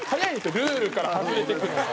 ルールから外れていくのが。